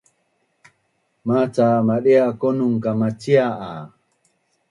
Maca madia konun kamacia a